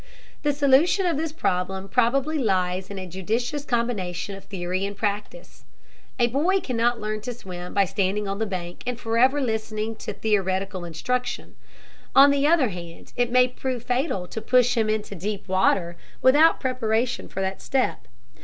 The solution of this problem probably lies in a judicious combination of theory and practice. A boy cannot learn to swim by standing on the bank and forever listening to theoretical instruction; on the other hand, it may prove fatal to push him into deep water without preparation for that step.